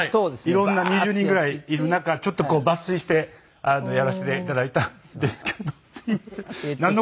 いろんな２０人ぐらいいる中ちょっとこう抜粋してやらせていただいたんですけどすみません。